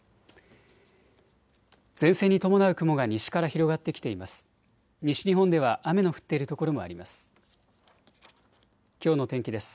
前線に伴う雲が西から広がってきています。